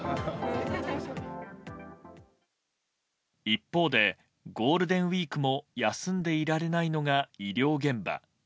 一方でゴールデンウィークも休んでいられないのが医療現場。